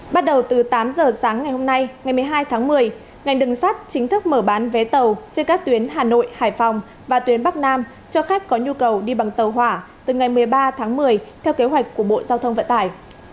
bắt đầu từ tám giờ sáng ngày hôm nay ngày một mươi hai tháng một mươi ngành đường sắt chính thức mở bán vé tàu trên các tuyến hà nội hải phòng và tuyến bắc nam cho khách có nhu cầu đi bằng tàu hỏa từ ngày một mươi ba tháng một mươi theo kế hoạch của bộ giao thông vận tải